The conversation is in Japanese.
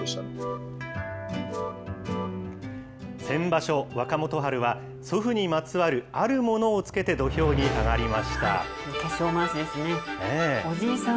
先場所、若元春は祖父にまつわるあるものをつけて土俵に上がりました。